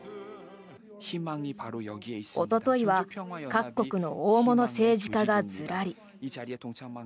おとといは各国の大物政治家がずらり。